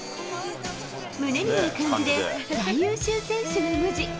胸には漢字で最優秀選手の文字。